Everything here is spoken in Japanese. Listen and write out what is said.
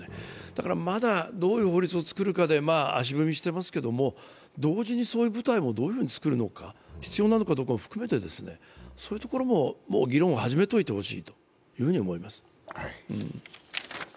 だから、まだどういう法律を作るかで足踏みしていますけど、同時にそういう部隊もどういうふうに作るのか必要なのかどうかも含めて、そういうところも議論を始めてほしいと思います。